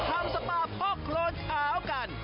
ทำสปาพ่อโครนขาวกัน